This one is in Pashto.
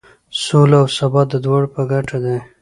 سوله او ثبات د دواړو په ګټه دی.